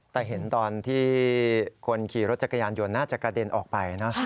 แต่เห็นตอนที่คนขี่รถจักรยานยนต์น่าจะกระเด็นออกไปนะ